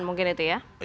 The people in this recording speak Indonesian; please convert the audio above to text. mungkin itu ya